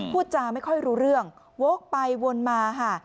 พูดจาไม่ค่อยรู้เรื่องโว๊คไปวนมาค่ะ